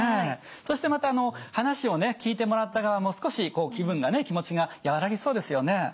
そしてまた話を聞いてもらった側も少しこう気分がね気持ちが和らぎそうですよね。